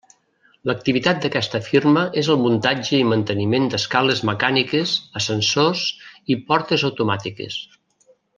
L'activitat d'aquesta firma és el muntatge i manteniment d'escales mecàniques, ascensors i portes automàtiques.